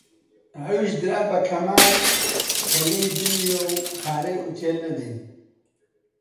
ئەویش درا بە کەمال کە لێی بنوێ و پارەی ئوتێل نەدەین